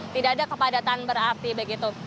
tidak ada kepadatan berarti begitu